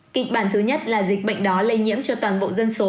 kịch bản thứ nhất là dịch bệnh đó lây nhiễm cho toàn bộ dân số